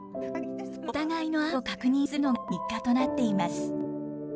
お互いの安否を確認するのが日課となっています。